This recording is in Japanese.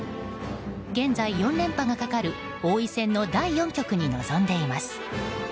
現在、４連覇がかかる王位戦の第４局に臨んでいます。